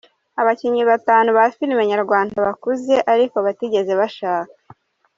Abakinnyi batanu ba filime nyarwanda bakuze ariko batigeze bashaka.